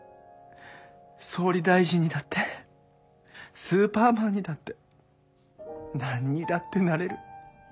総理大臣にだってスーパーマンにだって何にだってなれる」。